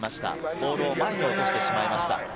ボールを前に落としてしまいました。